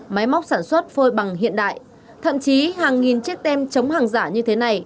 máy móc sản xuất phôi bằng hiện đại thậm chí hàng nghìn chiếc tem chống hàng giả như thế này